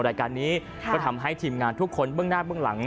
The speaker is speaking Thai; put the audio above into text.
รายการนี้ก็ทำให้ทีมงานทุกคนเบื้องหน้าเบื้องหลัง